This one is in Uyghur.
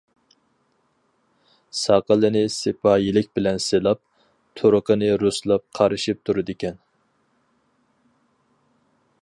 ساقىلىنى سىپايىلىك بىلەن سىلاپ، تۇرقىنى رۇسلاپ قارىشىپ تۇرىدىكەن.